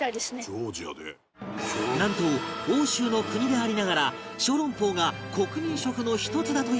なんと欧州の国でありながら小籠包が国民食の一つだというジョージア